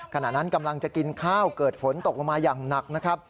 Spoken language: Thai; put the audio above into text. ขณะนั้นกำลังจะกินข้าวเกิดฝนตกลงมาอย่างหนักนะครับ